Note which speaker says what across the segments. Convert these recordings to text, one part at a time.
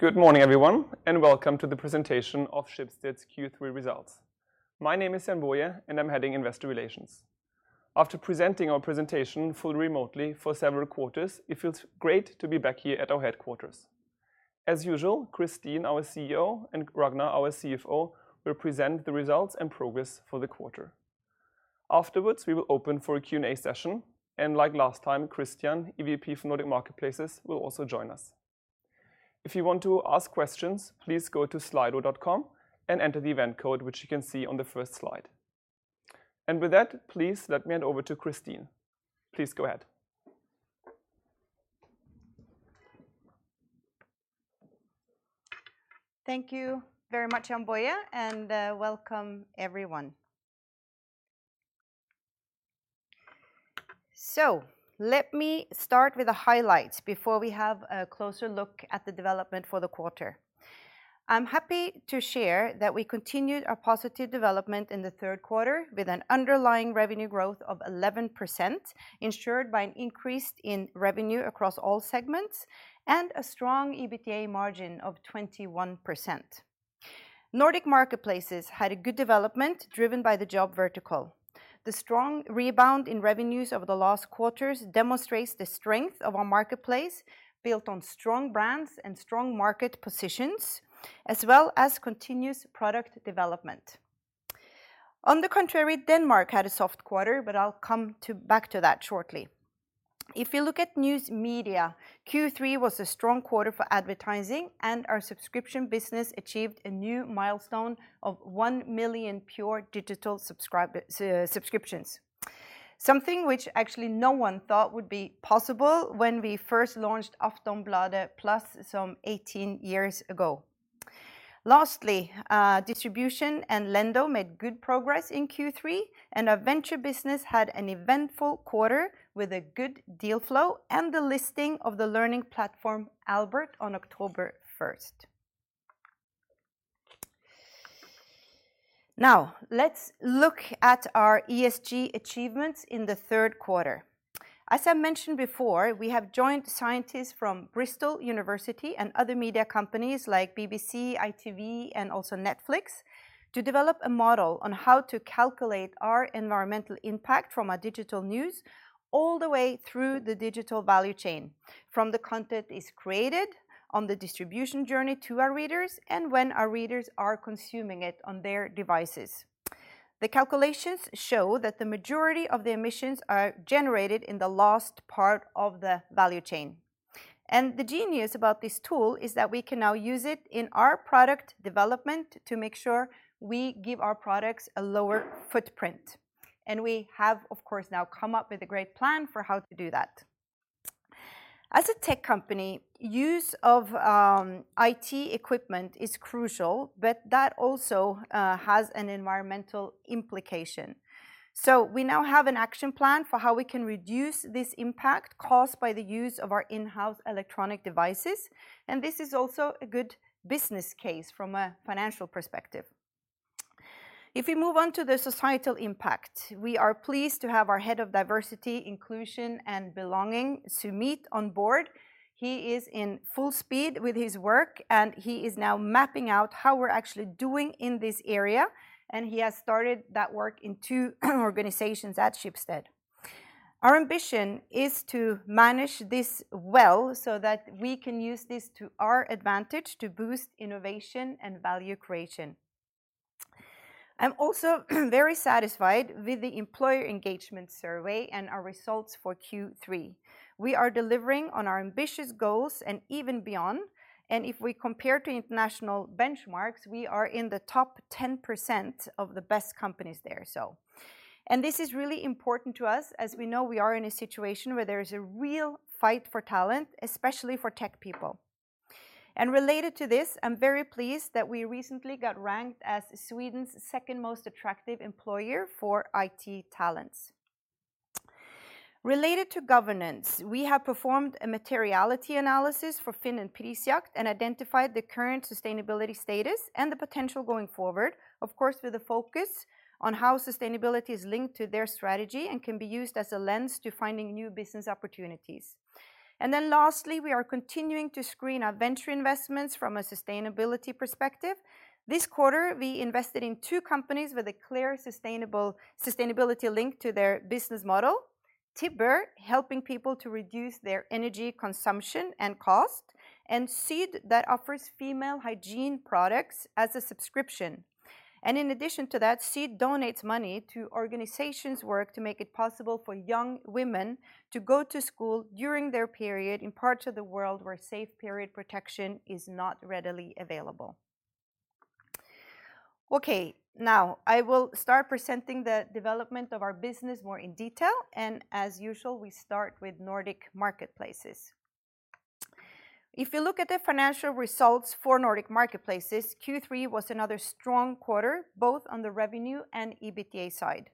Speaker 1: Good morning, everyone, and welcome to the presentation of Schibsted's Q3 Results. My name is Jann-Boje Meinecke, and I'm heading Investor Relations. After presenting our presentation fully remotely for several quarters, it feels great to be back here at our headquarters. As usual, Kristin Skogen Lund, our CEO, and Ragnar, our CFO, will present the results and progress for the quarter. Afterwards, we will open for a Q&A session, and like last time, Christian Printzell Halvorsen, EVP Nordic Marketplaces, will also join us. If you want to ask questions, please go to slido.com and enter the event code, which you can see on the first slide. With that, please let me hand over to Kristin Skogen Lund. Please go ahead.
Speaker 2: Thank you very much, Jan-Boje, and welcome, everyone. Let me start with the highlights before we have a closer look at the development for the quarter. I'm happy to share that we continued our positive development in the third quarter with an underlying revenue growth of 11% ensured by an increase in revenue across all segments and a strong EBITDA margin of 21%. Nordic Marketplaces had a good development driven by the job vertical. The strong rebound in revenues over the last quarters demonstrates the strength of our marketplace built on strong brands and strong market positions as well as continuous product development. On the contrary, Denmark had a soft quarter, but I'll come back to that shortly. If you look at News Media, Q3 was a strong quarter for advertising, and our subscription business achieved a new milestone of 1 million pure digital subscriptions, something which actually no one thought would be possible when we first launched Aftonbladet Plus some 18 years ago. Lastly, Distribution and Lendo made good progress in Q3, and our venture business had an eventful quarter with a good deal flow and the listing of the learning platform Albert on October first. Now, let's look at our ESG achievements in the third quarter. As I mentioned before, we have joined scientists from University of Bristol and other media companies like BBC, ITV, and also Netflix to develop a model on how to calculate our environmental impact from our digital news all the way through the digital value chain from the content is created, on the distribution journey to our readers, and when our readers are consuming it on their devices. The calculations show that the majority of the emissions are generated in the last part of the value chain. The genius about this tool is that we can now use it in our product development to make sure we give our products a lower footprint, and we have, of course, now come up with a great plan for how to do that. As a tech company, use of IT equipment is crucial, but that also has an environmental implication. We now have an action plan for how we can reduce this impact caused by the use of our in-house electronic devices, and this is also a good business case from a financial perspective. If we move on to the societal impact, we are pleased to have our Head of Diversity, Inclusion, and Belonging, Sumeet, on board. He is in full speed with his work, and he is now mapping out how we're actually doing in this area, and he has started that work in two organizations at Schibsted. Our ambition is to manage this well so that we can use this to our advantage to boost innovation and value creation. I'm also very satisfied with the employer engagement survey and our results for Q3. We are delivering on our ambitious goals and even beyond. If we compare to international benchmarks, we are in the top 10% of the best companies there, so. This is really important to us. As we know, we are in a situation where there is a real fight for talent, especially for tech people. Related to this, I'm very pleased that we recently got ranked as Sweden's second most attractive employer for IT talents. Related to governance, we have performed a materiality analysis for Finn and Prisjakt and identified the current sustainability status and the potential going forward, of course, with a focus on how sustainability is linked to their strategy and can be used as a lens to finding new business opportunities. Lastly, we are continuing to screen our venture investments from a sustainability perspective. This quarter, we invested in two companies with a clear sustainability link to their business model. Tibber, helping people to reduce their energy consumption and cost, and Seed that offers female hygiene products as a subscription. In addition to that, Seed donates money to organizations work to make it possible for young women to go to school during their period in parts of the world where safe period protection is not readily available. Okay. Now, I will start presenting the development of our business more in detail. As usual, we start with Nordic Marketplaces. If you look at the financial results for Nordic Marketplaces, Q3 was another strong quarter, both on the revenue and EBITDA side.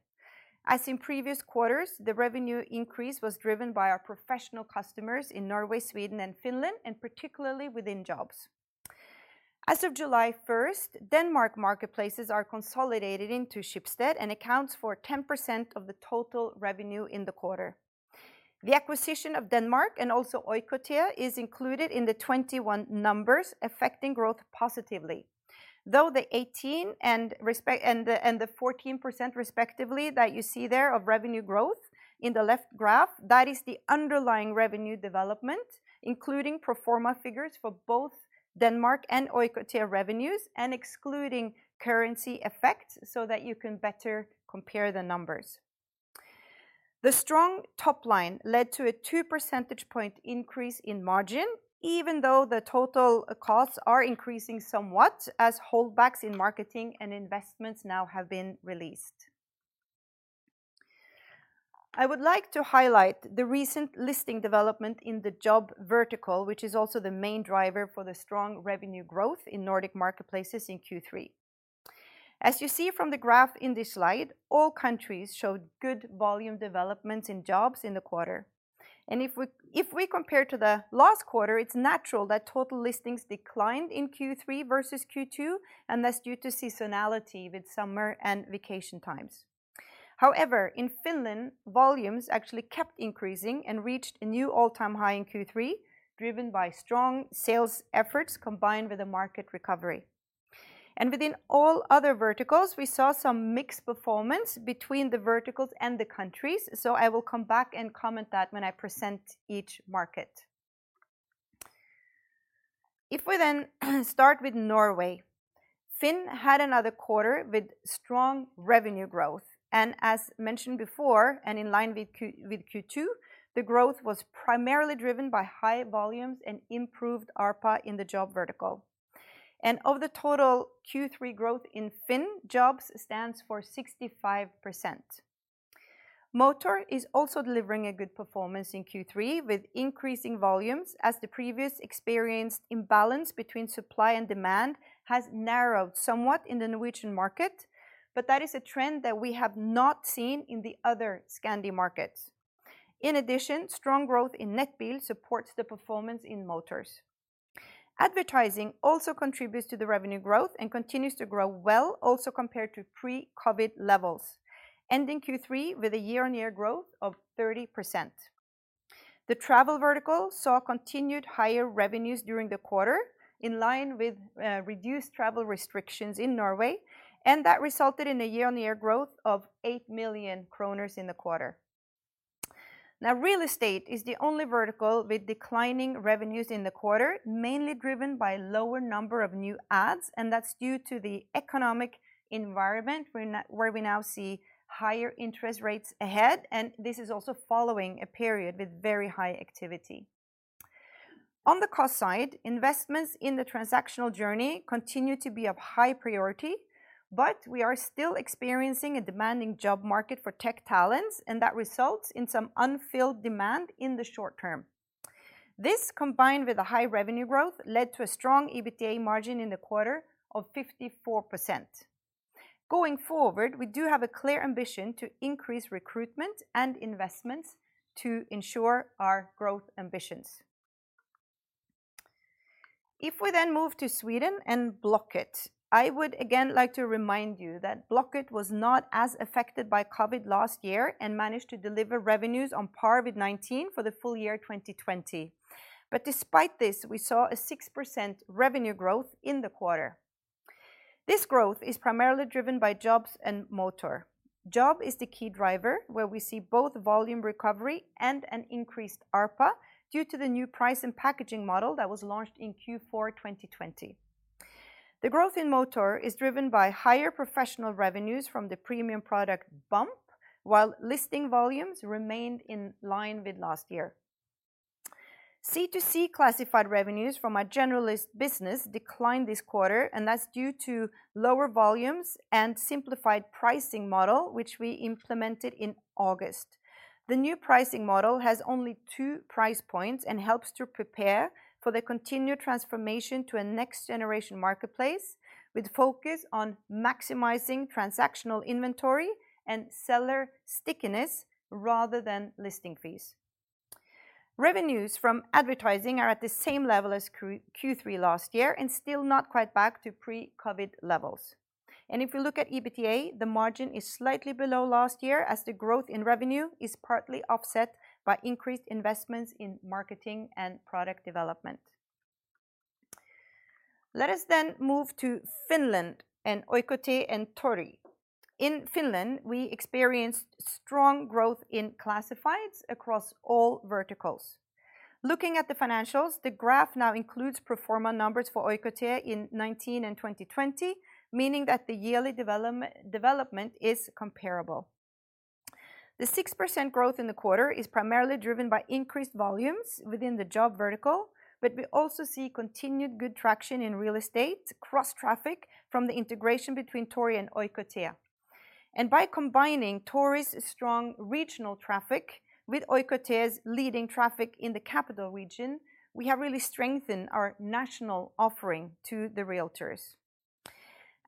Speaker 2: As in previous quarters, the revenue increase was driven by our professional customers in Norway, Sweden, and Finland and particularly within jobs. As of July first, Denmark marketplaces are consolidated into Schibsted and accounts for 10% of the total revenue in the quarter. The acquisition of Denmark and also Oikotie is included in the 21 numbers, affecting growth positively. Though the 18% and the 14% respectively that you see there of revenue growth in the left graph, that is the underlying revenue development, including pro forma figures for both Denmark and Oikotie revenues and excluding currency effects so that you can better compare the numbers. The strong top line led to a 2 percentage point increase in margin, even though the total costs are increasing somewhat as holdbacks in marketing and investments now have been released. I would like to highlight the recent listing development in the job vertical, which is also the main driver for the strong revenue growth in Nordic Marketplaces in Q3. As you see from the graph in this slide, all countries showed good volume developments in jobs in the quarter. If we compare to the last quarter, it's natural that total listings declined in Q3 versus Q2, and that's due to seasonality with summer and vacation times. However, in Finland, volumes actually kept increasing and reached a new all-time high in Q3, driven by strong sales efforts combined with a market recovery. Within all other verticals, we saw some mixed performance between the verticals and the countries, so I will come back and comment that when I present each market. If we then start with Norway, Finn had another quarter with strong revenue growth. As mentioned before, and in line with Q2, the growth was primarily driven by high volumes and improved ARPA in the job vertical. Of the total Q3 growth in Finn, jobs stands for 65%. Motors is also delivering a good performance in Q3 with increasing volumes as the previous experienced imbalance between supply and demand has narrowed somewhat in the Norwegian market, but that is a trend that we have not seen in the other Scandi markets. In addition, strong growth in Nettbil supports the performance in motors. Advertising also contributes to the revenue growth and continues to grow well, also compared to pre-COVID levels, ending Q3 with a year-on-year growth of 30%. The travel vertical saw continued higher revenues during the quarter, in line with reduced travel restrictions in Norway, and that resulted in a year-on-year growth of 8 million kroner in the quarter. Now, real estate is the only vertical with declining revenues in the quarter, mainly driven by lower number of new ads, and that's due to the economic environment where we now see higher interest rates ahead, and this is also following a period with very high activity. On the cost side, investments in the transactional journey continue to be of high priority, but we are still experiencing a demanding job market for tech talents, and that results in some unfilled demand in the short term. This, combined with a high revenue growth, led to a strong EBITDA margin in the quarter of 54%. Going forward, we do have a clear ambition to increase recruitment and investments to ensure our growth ambitions. If we then move to Sweden and Blocket, I would again like to remind you that Blocket was not as affected by COVID last year and managed to deliver revenues on par with 2019 for the full year 2020. Despite this, we saw a 6% revenue growth in the quarter. This growth is primarily driven by jobs and motor. Job is the key driver where we see both volume recovery and an increased ARPA due to the new price and packaging model that was launched in Q4 2020. The growth in motor is driven by higher professional revenues from the premium product Bump, while listing volumes remained in line with last year. C2C classified revenues from our generalist business declined this quarter, and that's due to lower volumes and simplified pricing model which we implemented in August. The new pricing model has only two price points and helps to prepare for the continued transformation to a next-generation marketplace with focus on maximizing transactional inventory and seller stickiness rather than listing fees. Revenues from advertising are at the same level as Q3 last year and still not quite back to pre-COVID levels. If you look at EBITDA, the margin is slightly below last year as the growth in revenue is partly offset by increased investments in marketing and product development. Let us move to Finland and Oikotie and Tori. In Finland, we experienced strong growth in classifieds across all verticals. Looking at the financials, the graph now includes pro forma numbers for Oikotie in 2019 and 2020, meaning that the yearly development is comparable. The 6% growth in the quarter is primarily driven by increased volumes within the job vertical, but we also see continued good traction in real estate cross-traffic from the integration between Tori and Oikotie. By combining Tori's strong regional traffic with Oikotie's leading traffic in the capital region, we have really strengthened our national offering to the realtors.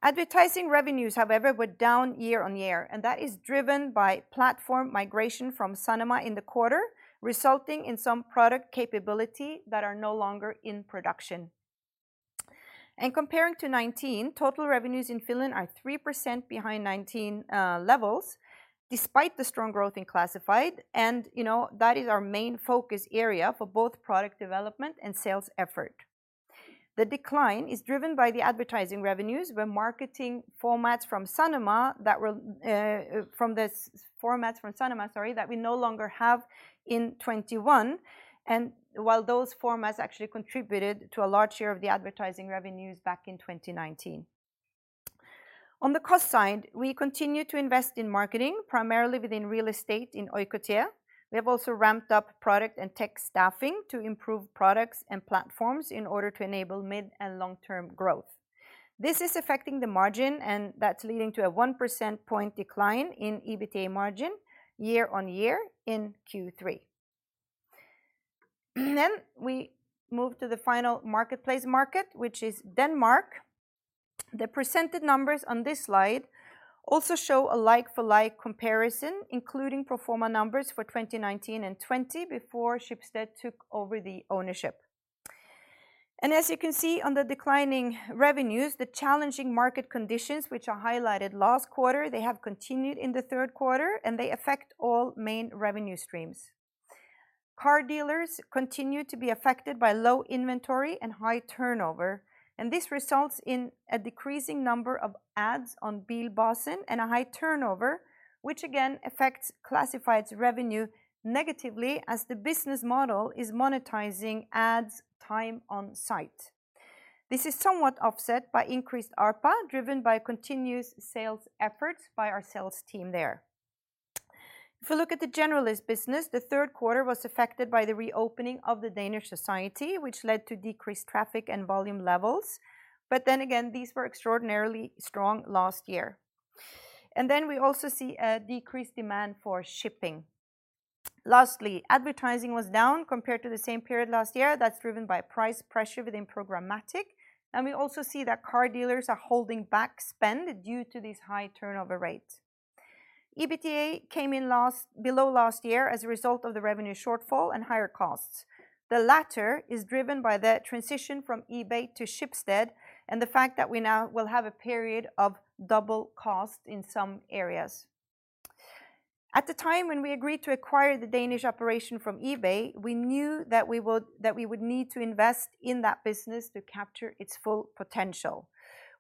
Speaker 2: Advertising revenues, however, were down year-over-year, and that is driven by platform migration from Sanoma in the quarter, resulting in some product capability that are no longer in production. Comparing to 2019, total revenues in Finland are 3% behind 2019 levels despite the strong growth in classified and, you know, that is our main focus area for both product development and sales effort. The decline is driven by the advertising revenues where marketing formats from Sanoma that we no longer have in 2021. While those formats actually contributed to a large share of the advertising revenues back in 2019. On the cost side, we continue to invest in marketing, primarily within real estate in Oikotie. We have also ramped up product and tech staffing to improve products and platforms in order to enable mid and long-term growth. This is affecting the margin, and that's leading to a 1 percentage point decline in EBITDA margin year-over-year in Q3. We move to the final marketplace market, which is Denmark. The presented numbers on this slide also show a like-for-like comparison, including pro forma numbers for 2019 and 2020 before Schibsted took over the ownership. As you can see on the declining revenues, the challenging market conditions which are highlighted last quarter, they have continued in the third quarter, and they affect all main revenue streams. Car dealers continue to be affected by low inventory and high turnover, and this results in a decreasing number of ads on Bilbasen and a high turnover, which again affects classified's revenue negatively as the business model is monetizing ads time on site. This is somewhat offset by increased ARPA, driven by continuous sales efforts by our sales team there. If we look at the generalist business, the third quarter was affected by the reopening of the Danish society, which led to decreased traffic and volume levels. Again, these were extraordinarily strong last year. We also see a decreased demand for shipping. Lastly, advertising was down compared to the same period last year. That's driven by price pressure within programmatic, and we also see that car dealers are holding back spend due to these high turnover rates. EBITDA came in lower than last year as a result of the revenue shortfall and higher costs. The latter is driven by the transition from eBay to Schibsted and the fact that we now will have a period of double cost in some areas. At the time when we agreed to acquire the Danish operation from eBay, we knew that we would need to invest in that business to capture its full potential.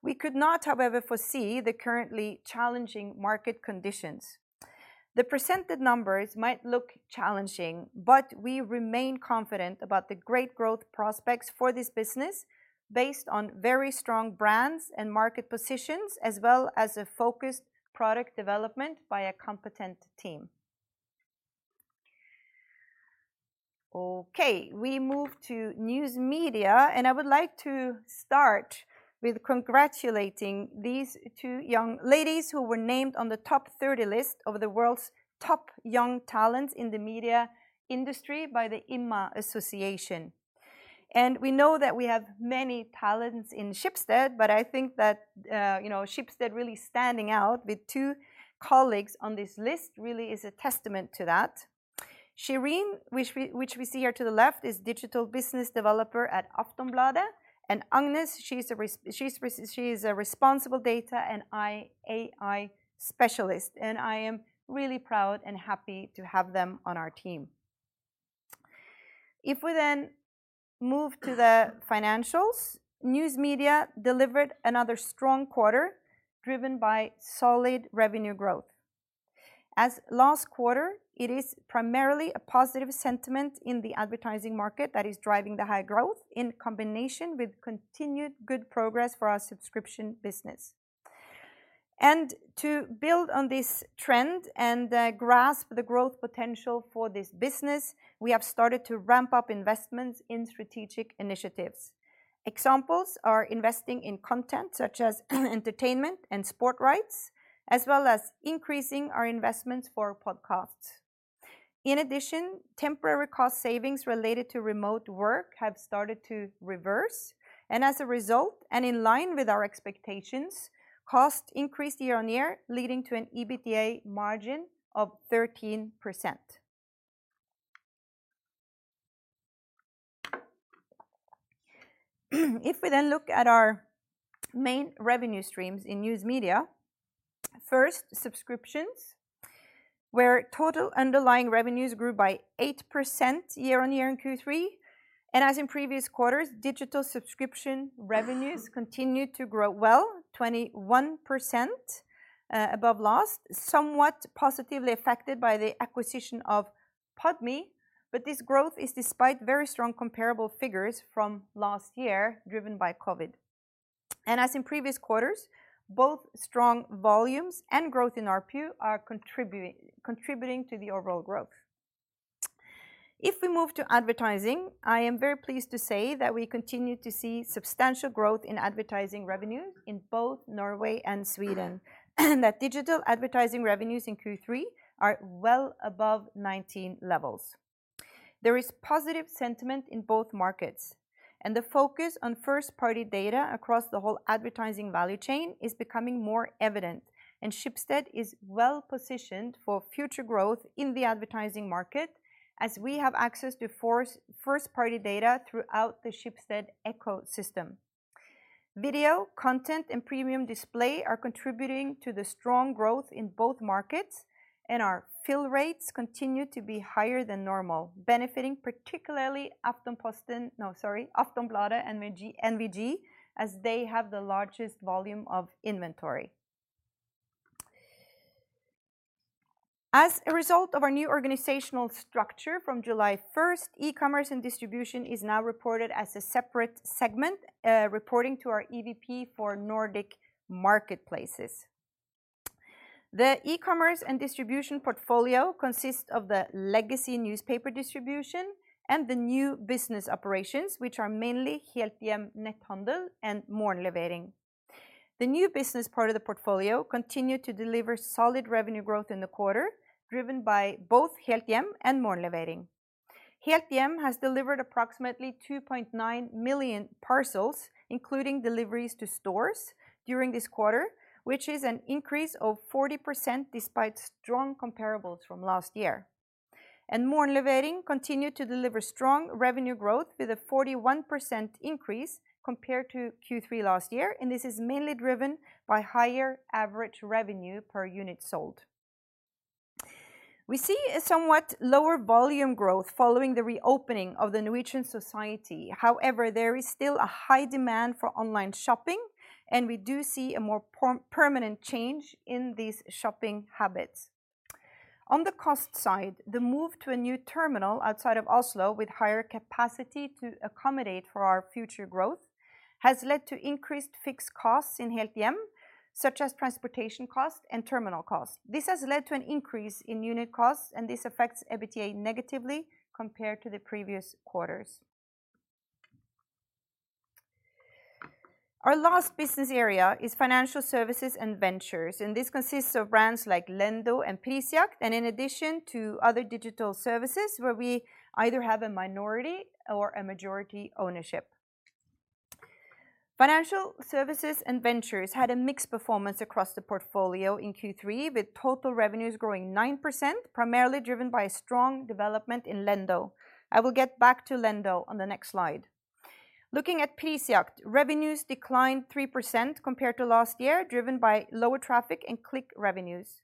Speaker 2: We could not, however, foresee the currently challenging market conditions. The presented numbers might look challenging, but we remain confident about the great growth prospects for this business based on very strong brands and market positions as well as a focused product development by a competent team. Okay, we move to News Media, and I would like to start with congratulating these two young ladies who were named on the top 30 list of the world's top young talents in the media industry by the INMA Association. We know that we have many talents in Schibsted, but I think that, you know, Schibsted really standing out with two colleagues on this list really is a testament to that. Shirin, which we see here to the left, is Digital Business Developer at Aftonbladet. Agnes, she is a Responsible Data and AI Specialist, and I am really proud and happy to have them on our team. If we then move to the financials, News Media delivered another strong quarter driven by solid revenue growth. As last quarter, it is primarily a positive sentiment in the advertising market that is driving the high growth in combination with continued good progress for our subscription business. To build on this trend and grasp the growth potential for this business, we have started to ramp up investments in strategic initiatives. Examples are investing in content such as entertainment and sport rights, as well as increasing our investments for podcasts. In addition, temporary cost savings related to remote work have started to reverse, and as a result and in line with our expectations, costs increased year-on-year, leading to an EBITDA margin of 13%. If we then look at our main revenue streams in News Media, first, subscriptions, where total underlying revenues grew by 8% year-on-year in Q3. As in previous quarters, digital subscription revenues continued to grow well 21% above last, somewhat positively affected by the acquisition of Podme. This growth is despite very strong comparable figures from last year driven by COVID. As in previous quarters, both strong volumes and growth in ARPU are contributing to the overall growth. If we move to advertising, I am very pleased to say that we continue to see substantial growth in advertising revenues in both Norway and Sweden, and that digital advertising revenues in Q3 are well above 2019 levels. There is positive sentiment in both markets, and the focus on first-party data across the whole advertising value chain is becoming more evident, and Schibsted is well-positioned for future growth in the advertising market as we have access to first-party data throughout the Schibsted ecosystem. Video content and premium display are contributing to the strong growth in both markets, and our fill rates continue to be higher than normal, benefiting particularly Aftonbladet and VG, VGTV, as they have the largest volume of inventory. As a result of our new organizational structure from July first, e-commerce and distribution is now reported as a separate segment, reporting to our EVP for Nordic Marketplaces. The e-commerce and distribution portfolio consists of the legacy newspaper distribution and the new business operations, which are mainly Helthjem Netthandel and Morgenlevering. The new business part of the portfolio continued to deliver solid revenue growth in the quarter, driven by both Helthjem and Morgenlevering. Helthjem has delivered approximately 2.9 million parcels, including deliveries to stores during this quarter, which is an increase of 40% despite strong comparables from last year. Morgenlevering continued to deliver strong revenue growth with a 41% increase compared to Q3 last year, and this is mainly driven by higher average revenue per unit sold. We see a somewhat lower volume growth following the reopening of the Norwegian society. However, there is still a high demand for online shopping, and we do see a more permanent change in these shopping habits. On the cost side, the move to a new terminal outside of Oslo with higher capacity to accommodate for our future growth has led to increased fixed costs in Helthjem, such as transportation costs and terminal costs. This has led to an increase in unit costs, and this affects EBITDA negatively compared to the previous quarters. Our last business area is Financial Services and Ventures, and this consists of brands like Lendo and Prisjakt and in addition to other digital services where we either have a minority or a majority ownership. Financial Services and Ventures had a mixed performance across the portfolio in Q3, with total revenues growing 9%, primarily driven by a strong development in Lendo. I will get back to Lendo on the next slide. Looking at Prisjakt, revenues declined 3% compared to last year, driven by lower traffic and click revenues.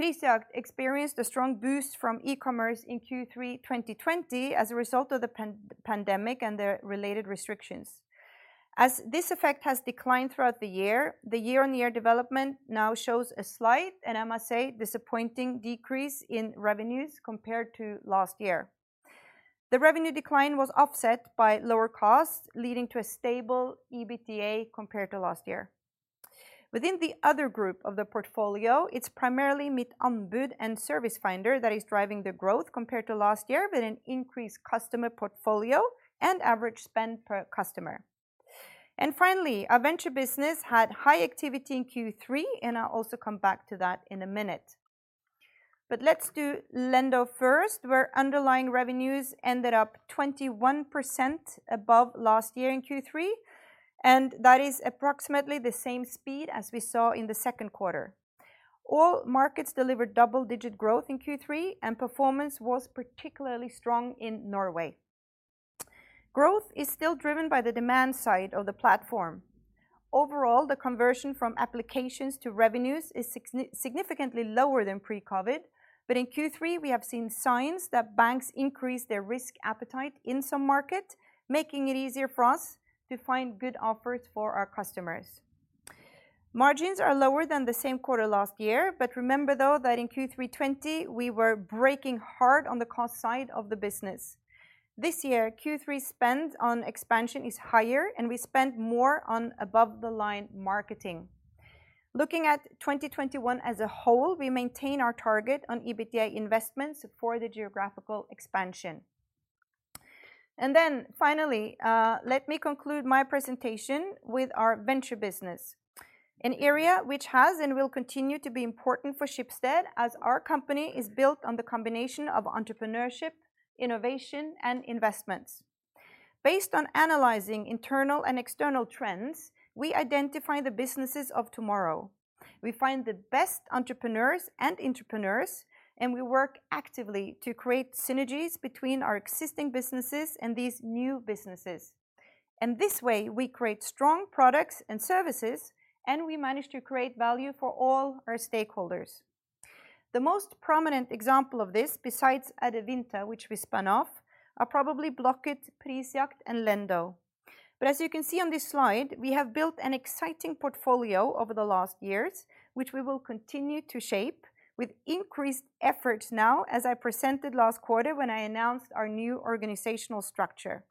Speaker 2: Prisjakt experienced a strong boost from e-commerce in Q3 2020 as a result of the pandemic and the related restrictions. As this effect has declined throughout the year, the year-on-year development now shows a slight, and I must say, disappointing decrease in revenues compared to last year. The revenue decline was offset by lower costs, leading to a stable EBITDA compared to last year. Within the other group of the portfolio, it's primarily Mittanbud and Servicefinder that is driving the growth compared to last year with an increased customer portfolio and average spend per customer. Finally, our venture business had high activity in Q3, and I'll also come back to that in a minute. Let's do Lendo first, where underlying revenues ended up 21% above last year in Q3, and that is approximately the same speed as we saw in the second quarter. All markets delivered double-digit growth in Q3, and performance was particularly strong in Norway. Growth is still driven by the demand side of the platform. Overall, the conversion from applications to revenues is significantly lower than pre-COVID. In Q3, we have seen signs that banks increase their risk appetite in some market, making it easier for us to find good offers for our customers. Margins are lower than the same quarter last year, but remember though that in Q3 2020, we were braking hard on the cost side of the business. This year, Q3 spend on expansion is higher, and we spend more on above-the-line marketing. Looking at 2021 as a whole, we maintain our target on EBITDA investments for the geographical expansion. Finally, let me conclude my presentation with our venture business, an area which has and will continue to be important for Schibsted as our company is built on the combination of entrepreneurship, innovation, and investments. Based on analyzing internal and external trends, we identify the businesses of tomorrow. We find the best entrepreneurs and intrapreneurs, and we work actively to create synergies between our existing businesses and these new businesses. This way, we create strong products and services, and we manage to create value for all our stakeholders. The most prominent example of this, besides Adevinta, which we spun off, are probably Blocket, Prisjakt, and Lendo. As you can see on this slide, we have built an exciting portfolio over the last years, which we will continue to shape with increased effort now as I presented last quarter when I announced our new organizational structure.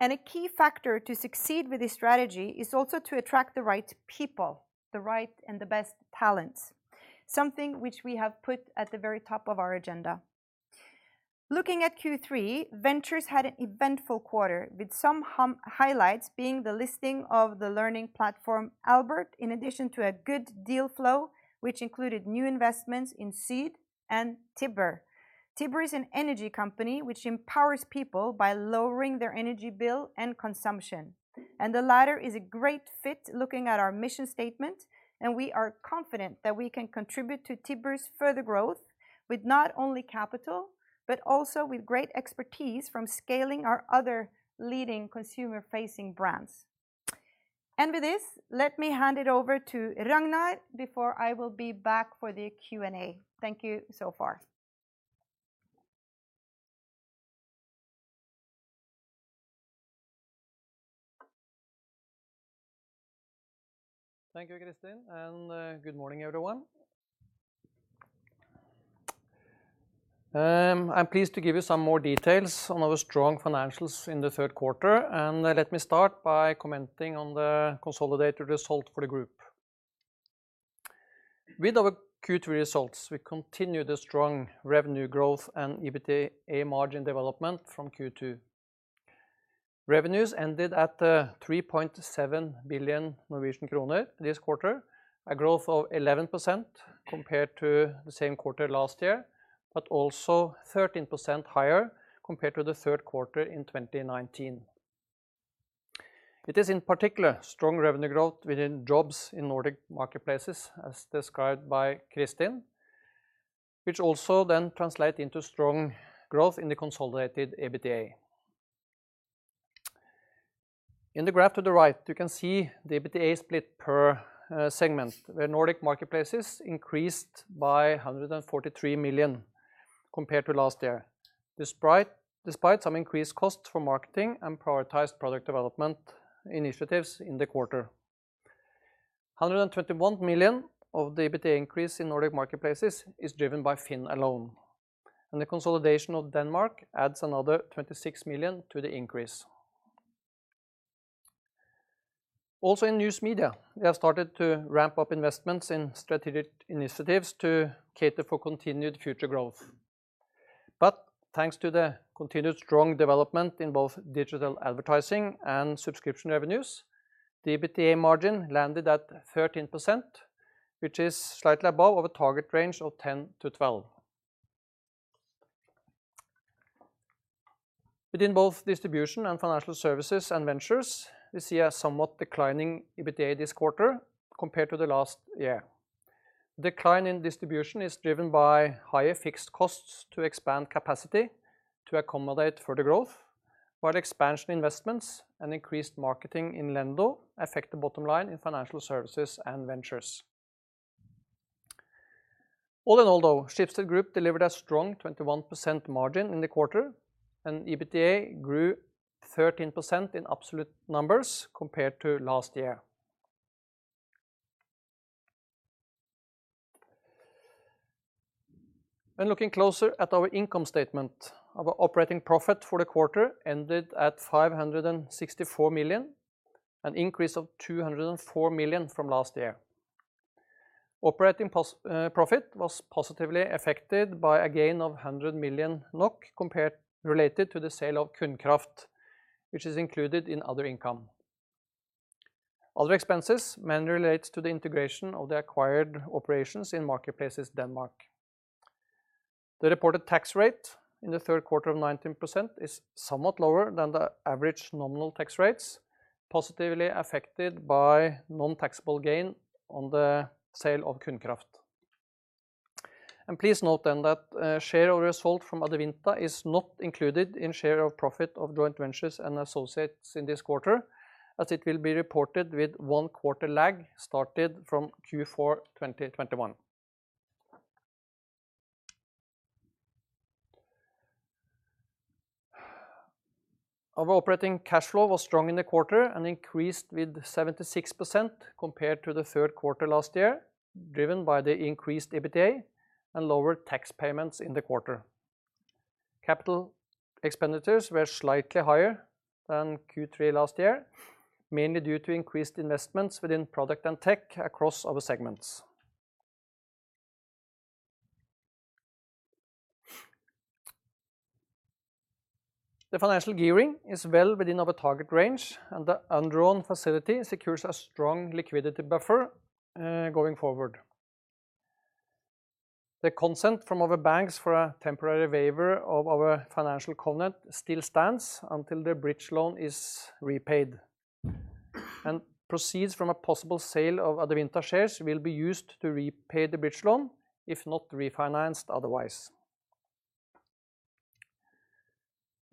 Speaker 2: A key factor to succeed with this strategy is also to attract the right people, the right and the best talents, something which we have put at the very top of our agenda. Looking at Q3, Ventures had an eventful quarter, with some highlights being the listing of the learning platform Albert, in addition to a good deal flow, which included new investments in Seed and Tibber. Tibber is an energy company which empowers people by lowering their energy bill and consumption, and the latter is a great fit looking at our mission statement, and we are confident that we can contribute to Tibber's further growth with not only capital, but also with great expertise from scaling our other leading consumer-facing brands. With this, let me hand it over to Ragnar before I will be back for the Q&A. Thank you so far.
Speaker 3: Thank you, Kristin, and good morning, everyone. I'm pleased to give you some more details on our strong financials in the third quarter, and let me start by commenting on the consolidated result for the group. With our Q3 results, we continue the strong revenue growth and EBITDA margin development from Q2. Revenues ended at 3.7 billion Norwegian kroner this quarter, a growth of 11% compared to the same quarter last year, but also 13% higher compared to the third quarter in 2019. It is in particular strong revenue growth within Jobs in Nordic Marketplaces, as described by Kristin, which also then translate into strong growth in the consolidated EBITDA. In the graph to the right, you can see the EBITDA split per segment, where Nordic Marketplaces increased by 143 million compared to last year, despite some increased costs for marketing and prioritized product development initiatives in the quarter. 121 million of the EBITDA increase in Nordic Marketplaces is driven by Finn alone, and the consolidation of Denmark adds another 26 million to the increase. Also in News Media, we have started to ramp up investments in strategic initiatives to cater for continued future growth. Thanks to the continued strong development in both digital advertising and subscription revenues, the EBITDA margin landed at 13%, which is slightly above our target range of 10%-12%. Within both Distribution & Financial Services and Ventures, we see a somewhat declining EBITDA this quarter compared to the last year. Decline in Distribution is driven by higher fixed costs to expand capacity to accommodate further growth, while expansion investments and increased marketing in Lendo affect the bottom line in Financial Services and Ventures. All in all, though, Schibsted Group delivered a strong 21% margin in the quarter, and EBITDA grew 13% in absolute numbers compared to last year. When looking closer at our income statement, our operating profit for the quarter ended at 564 million, an increase of 204 million from last year. Operating profit was positively affected by a gain of 100 million NOK related to the sale of Kunnskap, which is included in other income. Other expenses mainly relates to the integration of the acquired operations in Marketplaces Denmark. The reported tax rate in the third quarter of 19% is somewhat lower than the average nominal tax rates, positively affected by non-taxable gain on the sale of Kunnskap. Please note then that share of result from Adevinta is not included in share of profit of joint ventures and associates in this quarter, as it will be reported with one quarter lag started from Q4 2021. Our operating cash flow was strong in the quarter and increased with 76% compared to the third quarter last year, driven by the increased EBITDA and lower tax payments in the quarter. Capital expenditures were slightly higher than Q3 last year, mainly due to increased investments within product and tech across our segments. The financial gearing is well within our target range, and the undrawn facility secures a strong liquidity buffer going forward. The consent from our banks for a temporary waiver of our financial covenant still stands until the bridge loan is repaid. Proceeds from a possible sale of Adevinta shares will be used to repay the bridge loan, if not refinanced otherwise.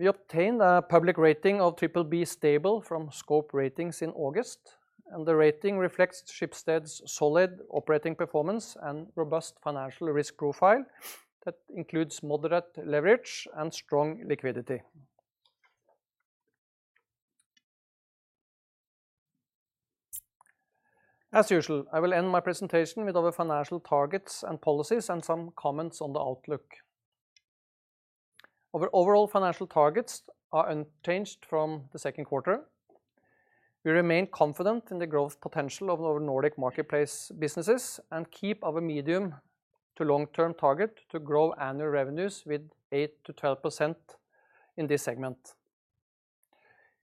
Speaker 3: We obtained a public rating of BBB stable from Scope Ratings in August, and the rating reflects Schibsted's solid operating performance and robust financial risk profile that includes moderate leverage and strong liquidity. As usual, I will end my presentation with our financial targets and policies and some comments on the outlook. Our overall financial targets are unchanged from the second quarter. We remain confident in the growth potential of our Nordic Marketplaces businesses and keep our medium- to long-term target to grow annual revenues with 8%-12% in this segment.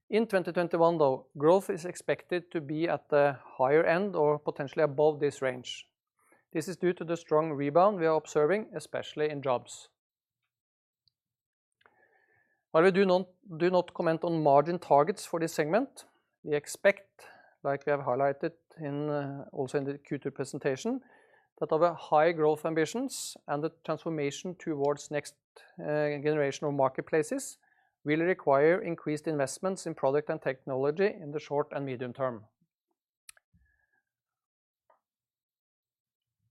Speaker 3: In 2021, though, growth is expected to be at the higher end or potentially above this range. This is due to the strong rebound we are observing, especially in Jobs. While we do not comment on margin targets for this segment, we expect, like we have highlighted in, also in the Q2 presentation, that our high growth ambitions and the transformation towards next generation of Marketplaces will require increased investments in product and technology in the short and medium term.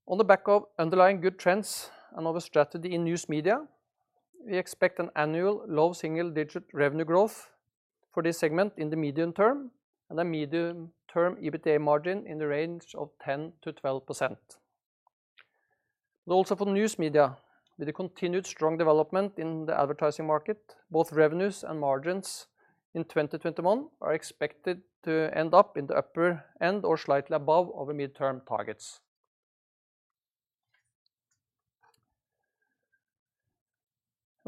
Speaker 3: On the back of underlying good trends and of a strategy in News Media, we expect an annual low single-digit revenue growth for this segment in the medium term and a medium-term EBITDA margin in the range of 10%-12%. Also for News Media, with the continued strong development in the advertising market, both revenues and margins in 2021 are expected to end up in the upper end or slightly above our midterm targets.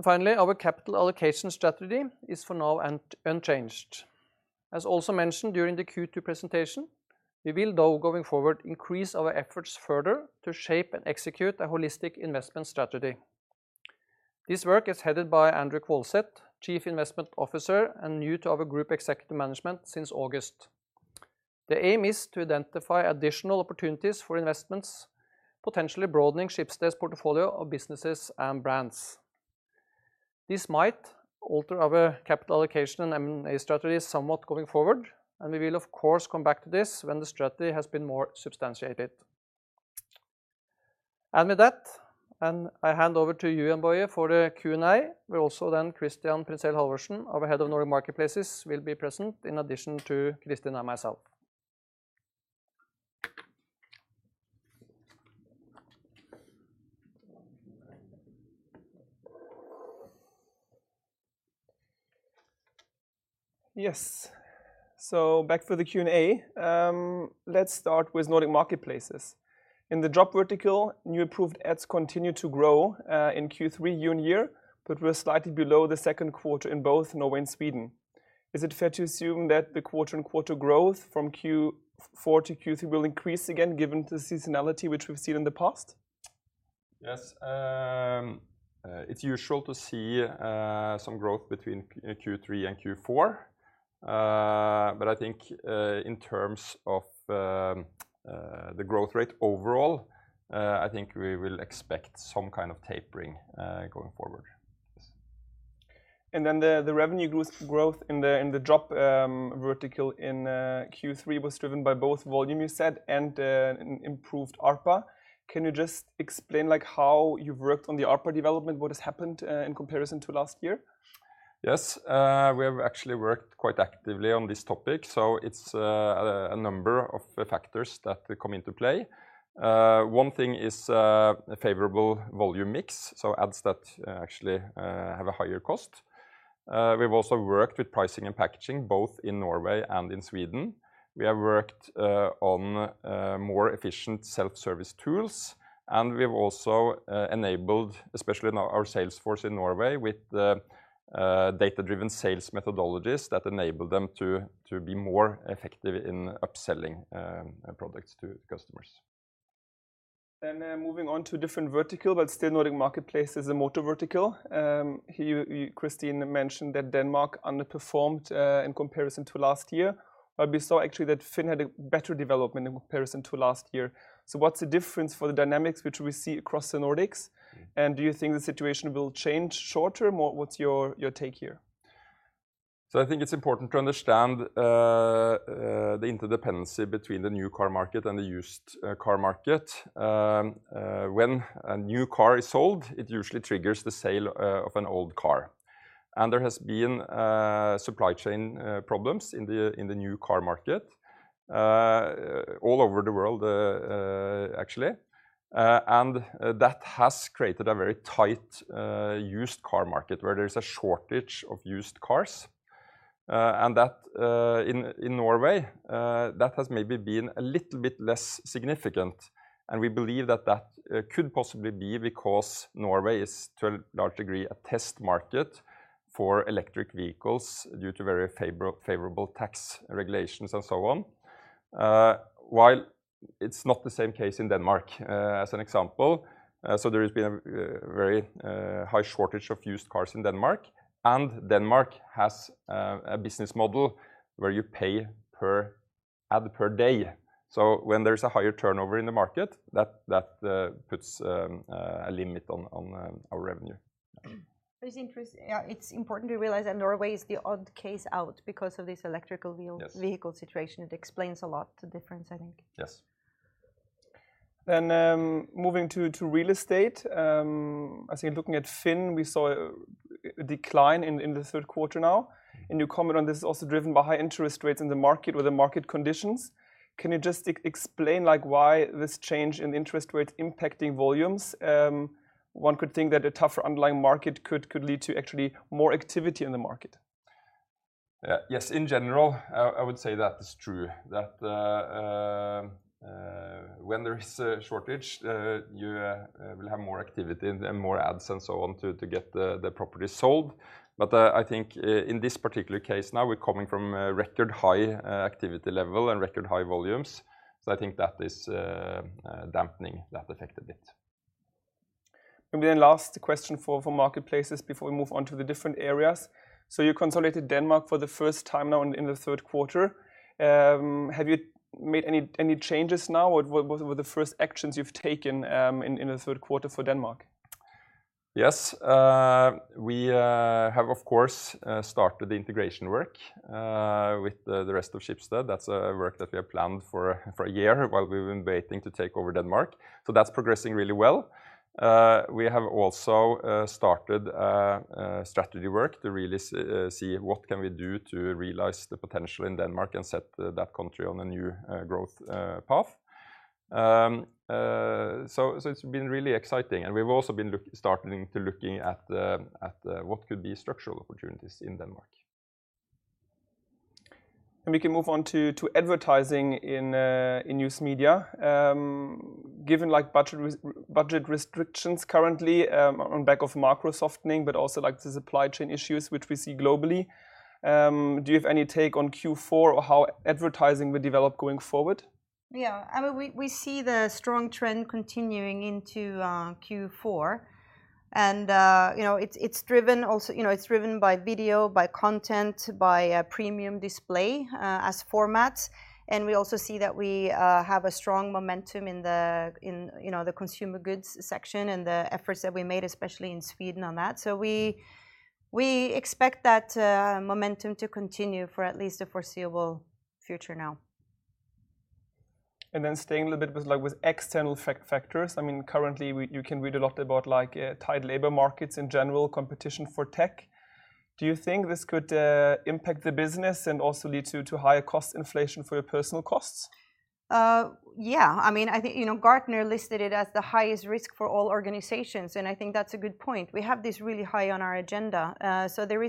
Speaker 3: Finally, our capital allocation strategy is for now unchanged. As also mentioned during the Q2 presentation, we will though, going forward, increase our efforts further to shape and execute a holistic investment strategy. This work is headed by Andrew Kvålseth, Chief Investment Officer and new to our group executive management since August. The aim is to identify additional opportunities for investments, potentially broadening Schibsted's portfolio of businesses and brands. This might alter our capital allocation and M&A strategy somewhat going forward, and we will of course come back to this when the strategy has been more substantiated. With that, I hand over to you, Jann-Boje Meinecke, for the Q&A.
Speaker 1: We also Christian Printzell Halvorsen, our head of Nordic Marketplaces, will be present in addition to Kristin and myself. Yes. Back for the Q&A. Let's start with Nordic Marketplaces. In the Job vertical, new approved ads continue to grow in Q3 year-on-year but were slightly below the second quarter in both Norway and Sweden. Is it fair to assume that the quarter-on-quarter growth from Q4 to Q3 will increase again, given the seasonality which we've seen in the past?
Speaker 4: Yes. It's usual to see some growth between Q3 and Q4. I think in terms of the growth rate overall, I think we will expect some kind of tapering going forward. Yes.
Speaker 1: The revenue growth in the Job vertical in Q3 was driven by both volume, you said, and an improved ARPA. Can you just explain, like, how you've worked on the ARPA development? What has happened in comparison to last year?
Speaker 4: Yes. We have actually worked quite actively on this topic, so it's a number of factors that come into play. One thing is a favorable volume mix, so ads that actually have a higher cost. We've also worked with pricing and packaging, both in Norway and in Sweden. We have worked on more efficient self-service tools, and we've also enabled, especially now our sales force in Norway, with the data-driven sales methodologies that enable them to be more effective in upselling products to customers.
Speaker 1: Moving on to a different vertical but still Nordic Marketplaces, the Motor vertical. Here you, Kristin mentioned that Denmark underperformed in comparison to last year. We saw actually that Finn had a better development in comparison to last year. What's the difference for the dynamics which we see across the Nordics, and do you think the situation will change short term, or what's your take here?
Speaker 4: I think it's important to understand the interdependency between the new car market and the used car market. When a new car is sold, it usually triggers the sale of an old car. There has been supply chain problems in the new car market all over the world, actually. That has created a very tight used car market where there is a shortage of used cars. That in Norway that has maybe been a little bit less significant. We believe that that could possibly be because Norway is, to a large degree, a test market for electric vehicles due to very favorable tax regulations and so on. While it's not the same case in Denmark, as an example, there has been a very high shortage of used cars in Denmark. Denmark has a business model where you pay per ad per day. When there's a higher turnover in the market, that puts a limit on our revenue.
Speaker 2: Yeah, it's important to realize that Norway is the odd case out because of this electric vehicle situation.
Speaker 4: Yes.
Speaker 2: It explains a lot, the difference, I think.
Speaker 4: Yes.
Speaker 1: Moving to Real Estate. I think looking at Finn, we saw a decline in the third quarter now. You comment on this is also driven by high interest rates in the market or the market conditions. Can you just explain, like, why this change in interest rates impacting volumes? One could think that a tougher underlying market could lead to actually more activity in the market.
Speaker 4: Yes, in general, I would say that is true, that when there is a shortage, you will have more activity and then more ads and so on to get the properties sold. I think in this particular case now, we're coming from a record high activity level and record high volumes, so I think that is dampening that effect a bit.
Speaker 1: Maybe then last question for Marketplaces before we move on to the different areas. You consolidated Denmark for the first time now in the third quarter. Have you made any changes now? What were the first actions you've taken in the third quarter for Denmark?
Speaker 4: Yes. We have of course started the integration work with the rest of Schibsted. That's work that we have planned for a year while we've been waiting to take over Denmark, so that's progressing really well. We have also started strategy work to really see what can we do to realize the potential in Denmark and set that country on a new growth path. So it's been really exciting, and we've also been starting to look at what could be structural opportunities in Denmark.
Speaker 1: We can move on to advertising in News Media. Given like budget restrictions currently, on back of macro softening, but also like the supply chain issues which we see globally, do you have any take on Q4 or how advertising will develop going forward?
Speaker 2: Yeah. I mean, we see the strong trend continuing into Q4, and you know, it's driven by video, by content, by premium display as formats, and we also see that we have a strong momentum in you know, the consumer goods section and the efforts that we made, especially in Sweden on that. We expect that momentum to continue for at least the foreseeable future now.
Speaker 1: Staying a little bit with, like, with external factors. I mean, currently you can read a lot about, like, tight labor markets in general, competition for tech. Do you think this could impact the business and also lead to higher cost inflation for your personnel costs?
Speaker 2: I mean, I think, you know, Gartner listed it as the highest risk for all organizations, and I think that's a good point. We have this really high on our agenda. There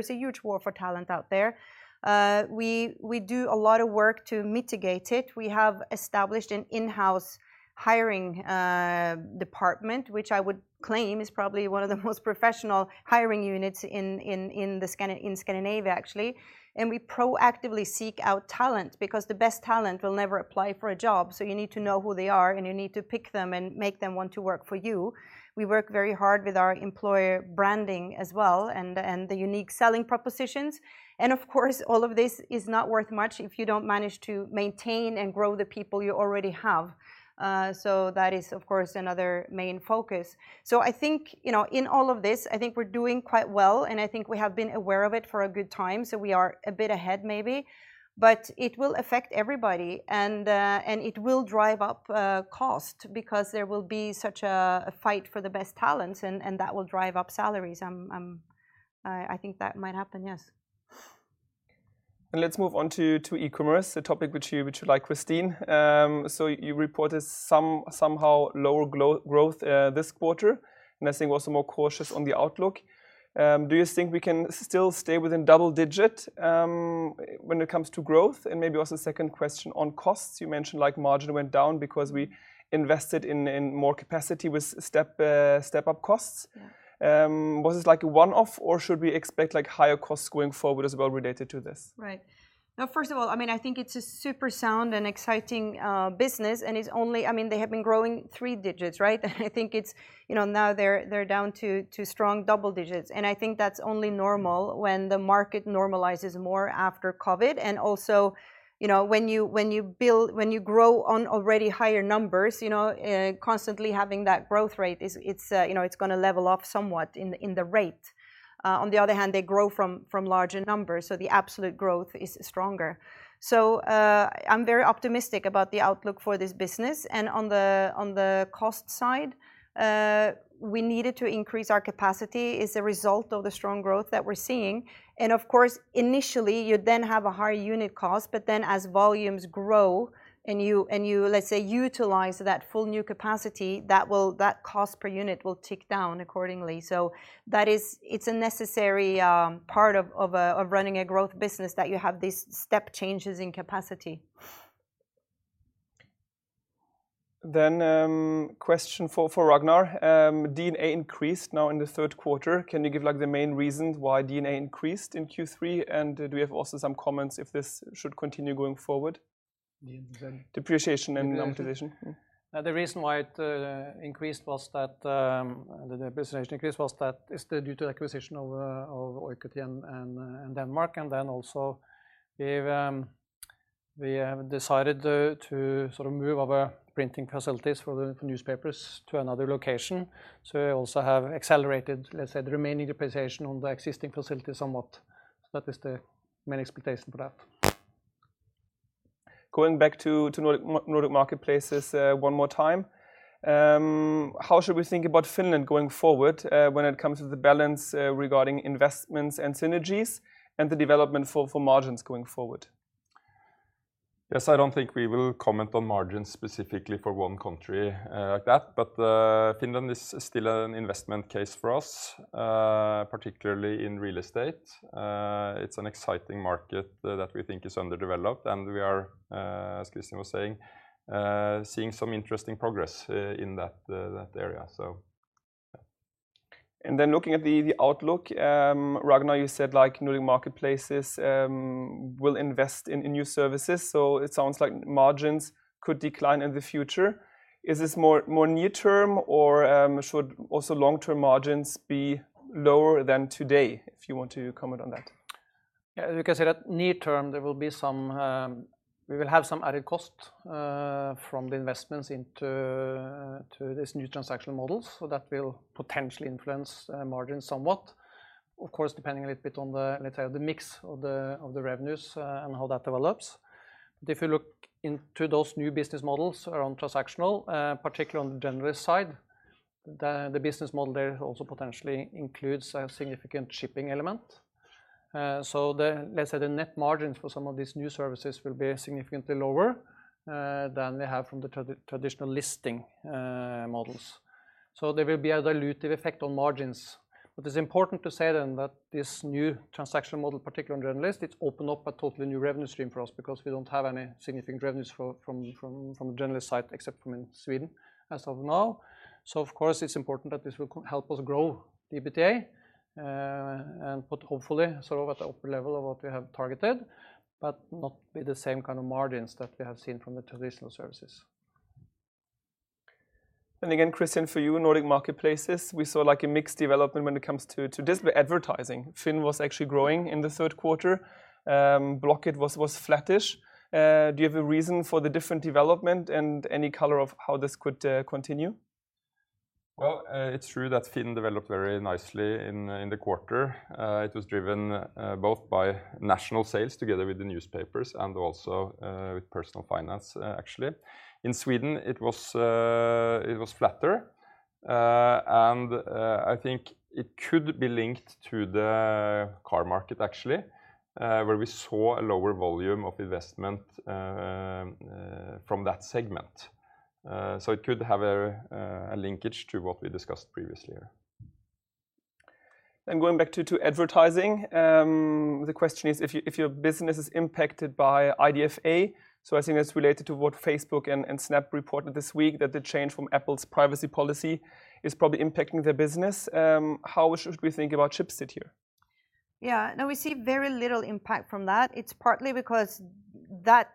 Speaker 2: is a huge war for talent out there. We do a lot of work to mitigate it. We have established an in-house hiring department, which I would claim is probably one of the most professional hiring units in Scandinavia, actually, and we proactively seek out talent, because the best talent will never apply for a job. You need to know who they are and you need to pick them and make them want to work for you. We work very hard with our employer branding as well and the unique selling propositions. Of course all of this is not worth much if you don't manage to maintain and grow the people you already have. That is of course another main focus. I think, you know, in all of this, I think we're doing quite well, and I think we have been aware of it for a good time, so we are a bit ahead maybe. It will affect everybody and it will drive up cost, because there will be such a fight for the best talents and that will drive up salaries. I think that might happen, yes.
Speaker 1: Let's move on to e-commerce, a topic which you like, Kristin. So you reported lower growth this quarter, and I think also more cautious on the outlook. Do you think we can still stay within double-digit when it comes to growth? Maybe also a second question on costs. You mentioned, like, margin went down because we invested in more capacity with step-up costs.
Speaker 2: Yeah.
Speaker 1: Was this like a one-off, or should we expect like higher costs going forward as well related to this?
Speaker 2: Right. No, first of all, I mean, I think it's a super sound and exciting business, and it's only I mean they have been growing three digits, right? I think it's you know now they're down to strong double digits, and I think that's only normal when the market normalizes more after COVID. You know, when you grow on already higher numbers, you know, constantly having that growth rate is it's you know it's gonna level off somewhat in the rate. On the other hand, they grow from larger numbers, so the absolute growth is stronger. I'm very optimistic about the outlook for this business, and on the cost side, we needed to increase our capacity. It's a result of the strong growth that we're seeing. Of course, initially, you then have a higher unit cost, but then as volumes grow and you, let's say, utilize that full new capacity, that cost per unit will tick down accordingly. It's a necessary part of running a growth business, that you have these step changes in capacity.
Speaker 1: Question for Ragnar. D&A increased now in the third quarter. Can you give like the main reasons why D&A increased in Q3, and do you have also some comments if this should continue going forward?
Speaker 3: D&A?
Speaker 1: Depreciation and amortization.
Speaker 3: The reason why it increased was that the depreciation increased. It's due to acquisition of Oikotie and Denmark, and then also we have decided to sort of move our printing facilities for the newspapers to another location, so we also have accelerated, let's say, the remaining depreciation on the existing facilities somewhat. That is the main explanation for that.
Speaker 1: Going back to Nordic Marketplaces one more time. How should we think about Finland going forward, when it comes to the balance regarding investments and synergies, and the development for margins going forward?
Speaker 2: Yes, I don't think we will comment on margins specifically for one country, like that, but Finland is still an investment case for us, particularly in real estate. It's an exciting market that we think is underdeveloped, and we are, as Christian was saying, seeing some interesting progress in that area, so yeah.
Speaker 1: Looking at the outlook, Ragnar, you said, like, Nordic Marketplaces will invest in new services, so it sounds like margins could decline in the future. Is this more near term, or should also long-term margins be lower than today? If you want to comment on that.
Speaker 3: Yeah, like I said, in the near term, there will be some. We will have some added cost from the investments into these new transaction models, so that will potentially influence margins somewhat. Of course, depending a little bit on the mix of the revenues and how that develops. If you look into those new business models around transactional, particularly on the Generalist side, the business model there also potentially includes a significant shipping element. So the net margin for some of these new services will be significantly lower than they have from the traditional listing models. There will be a dilutive effect on margins. What is important to say that this new transaction model, particularly on Generalist, it's opened up a totally new revenue stream for us because we don't have any significant revenues from Generalist site except from in Sweden as of now. Of course it's important that this will help us grow EBITDA, but hopefully sort of at the upper level of what we have targeted, but not be the same kind of margins that we have seen from the traditional services.
Speaker 1: Again, Christian, for you in Nordic Marketplaces, we saw, like, a mixed development when it comes to digital advertising. Finn was actually growing in the third quarter. Blocket was flattish. Do you have a reason for the different development and any color of how this could continue?
Speaker 3: Well, it's true that Finn developed very nicely in the quarter. It was driven both by national sales together with the newspapers and also with personal finance actually. In Sweden, it was flatter. I think it could be linked to the car market actually, where we saw a lower volume of investment from that segment. It could have a linkage to what we discussed previously here.
Speaker 4: Going back to advertising, the question is if your business is impacted by IDFA. I think that's related to what Facebook and Snap reported this week, that the change from Apple's privacy policy is probably impacting their business. How should we think about Schibsted here?
Speaker 2: Yeah. No, we see very little impact from that. It's partly because that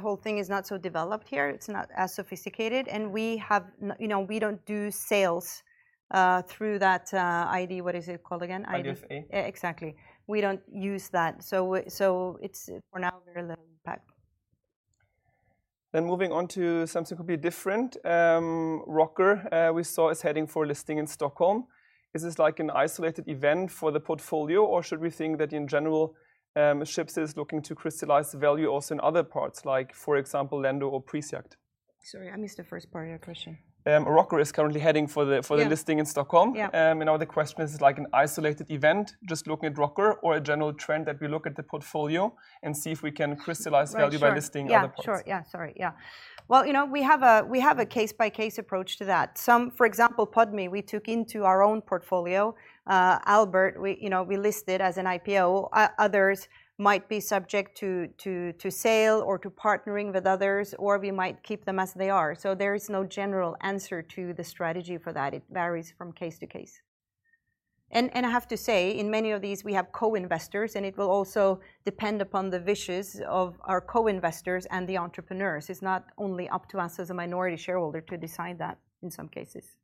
Speaker 2: whole thing is not so developed here. It's not as sophisticated, and you know, we don't do sales through that IDFA. What is it called again?
Speaker 1: IDFA.
Speaker 2: Exactly. We don't use that, so it's for now very little impact.
Speaker 1: Moving on to something completely different, Rocker, we saw is heading for a listing in Stockholm. Is this, like, an isolated event for the portfolio, or should we think that in general, Schibsted is looking to crystallize the value also in other parts, like for example Lendo or Prisjakt?
Speaker 2: Sorry, I missed the first part of your question.
Speaker 1: Rocker is currently heading for the
Speaker 2: Yeah
Speaker 1: listing in Stockholm.
Speaker 2: Yeah.
Speaker 1: Now the question is it, like, an isolated event just looking at Rocker or a general trend that we look at the portfolio and see if we can crystallize value.
Speaker 2: Right, sure.
Speaker 1: by listing other parts?
Speaker 2: Yeah, sure. Yeah. Sorry. Yeah. Well, you know, we have a case by case approach to that. Some, for example, Podme we took into our own portfolio. Albert we, you know, we listed as an IPO. Others might be subject to sale or to partnering with others, or we might keep them as they are. There is no general answer to the strategy for that. It varies from case to case. I have to say, in many of these, we have co-investors, and it will also depend upon the wishes of our co-investors and the entrepreneurs. It's not only up to us as a minority shareholder to decide that in some cases.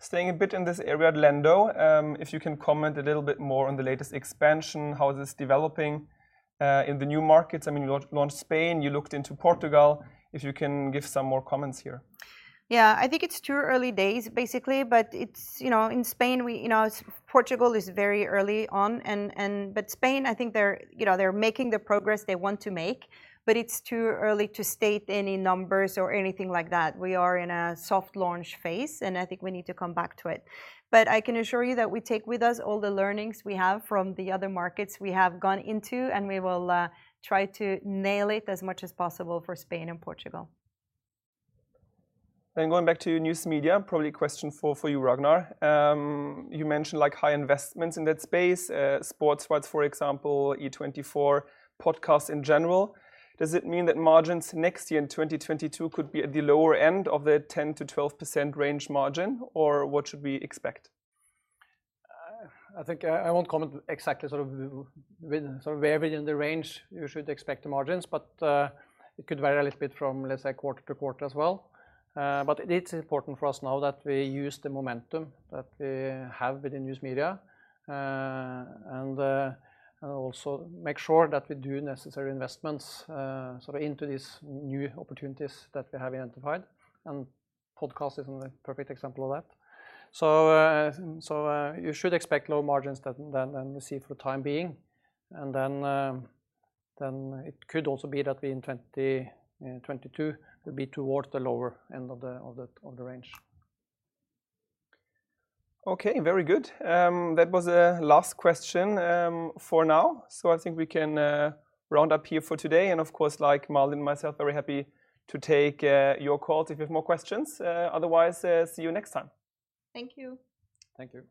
Speaker 1: Staying a bit in this area, Lendo, if you can comment a little bit more on the latest expansion. How is this developing in the new markets? I mean, you launched in Spain. You looked into Portugal. If you can give some more comments here.
Speaker 2: Yeah. I think it's too early days, basically. It's, you know, in Spain, we, you know, it's Portugal is very early on and. Spain, I think they're, you know, making the progress they want to make, but it's too early to state any numbers or anything like that. We are in a soft launch phase, and I think we need to come back to it. I can assure you that we take with us all the learnings we have from the other markets we have gone into, and we will try to nail it as much as possible for Spain and Portugal.
Speaker 1: Going back to News Media, probably a question for you, Ragnar. You mentioned, like, high investments in that space, VGTV, for example, E24, podcasts in general. Does it mean that margins next year in 2022 could be at the lower end of the 10%-12% range margin, or what should we expect?
Speaker 3: I think I won't comment exactly sort of where within the range you should expect the margins, but it could vary a little bit from, let's say, quarter to quarter as well. But it is important for us now that we use the momentum that we have within News Media, and also make sure that we do necessary investments sort of into these new opportunities that we have identified, and podcast is a perfect example of that. So you should expect lower margins than you see for the time being, and then it could also be that we, in 2022, will be towards the lower end of the range.
Speaker 1: Okay, very good. That was the last question for now. I think we can round up here for today. Of course, like Malin and myself, very happy to take your call if you have more questions. Otherwise, see you next time.
Speaker 2: Thank you.
Speaker 4: Thank you.